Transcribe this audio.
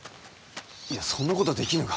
いやそんなことはできぬが。